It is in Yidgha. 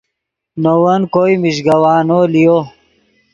نے ون کوئے میژگوانو لیو